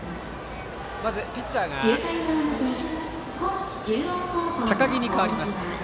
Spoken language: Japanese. まずピッチャーが高木に代わります。